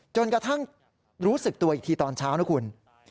กระทั่งรู้สึกตัวอีกทีตอนเช้านะคุณ